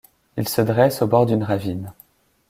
Il se dresse au bord d'une ravine.